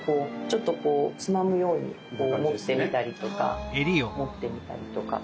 ちょっとこうつまむようにこう持ってみたりとか持ってみたりとか。